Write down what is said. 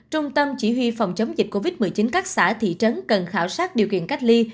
trung tâm chỉ huy phòng chống dịch covid một mươi chín các xã thị trấn cần khảo sát điều kiện cách ly